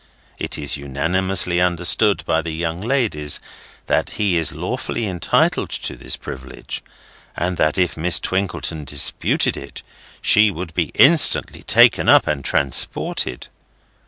(It is unanimously understood by the young ladies that he is lawfully entitled to this privilege, and that if Miss Twinkleton disputed it, she would be instantly taken up and transported.)